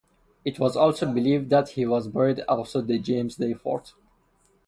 It was also believed that he was buried outside the James day fort.